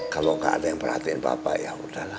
kalau gak ada yang perhatiin papa ya udahlah